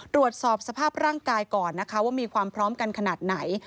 ตรวจสอบสภาพร่างกายก่อนนะคะว่ามีความพร้อมกันขนาดไหน